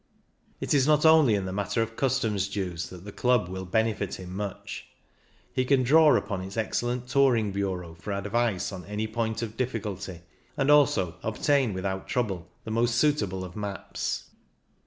It is not only in the matter of customs dues that the Club will benefit him much ; he can draw upon its excellent Touring Bureau for advice on any point of difficulty, and also obtain with out trouble the most suitable of maps.